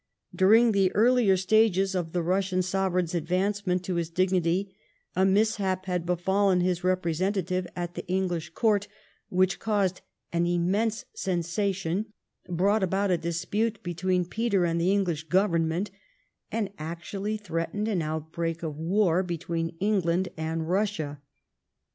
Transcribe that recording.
During the earlier stages of the Eussian Sovereign's advancement to this dignity a mishap had befallen his representative at the English Court which caused an immense sensa tion, brought about a dispute between Peter and the English Government, and actually threatened an outbreak of war between England and Eussia.